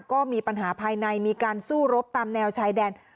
ก็มีปัญหาภายในมีการสู้รบตามแนวชายแดน